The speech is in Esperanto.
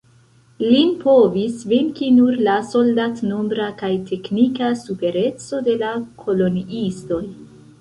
Lin povis venki nur la soldat-nombra kaj teknika supereco de la koloniistoj.